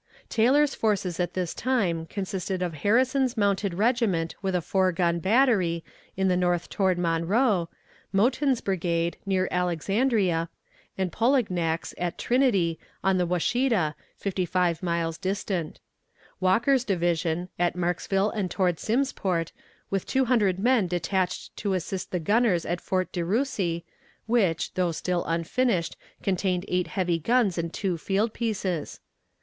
Taylor's forces at this time consisted of Harrison's mounted regiment with a four gun battery, in the north toward Monroe; Mouton's brigade, near Alexandria; Polignac's, at Trinity, on the Washita, fifty five miles distant; Walker's division, at Marksville and toward Simmsport, with two hundred men detached to assist the gunners at Fort De Russy, which, though still unfinished, contained eight heavy guns and two field pieces.